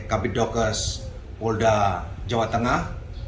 kabit dokes polda jawa tengah